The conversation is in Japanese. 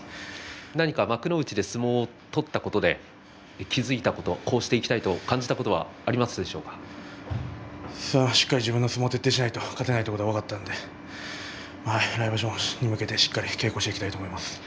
何か幕内で相撲を取ったことで気付いたことこうしていきたいと感じたことはしっかり自分の相撲を徹底しないと勝てないということが分かったので来場所に向けてしっかり稽古していきたいと思います。